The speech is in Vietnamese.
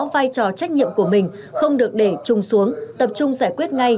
vai trò trách nhiệm của mình không được để trùng xuống tập trung giải quyết ngay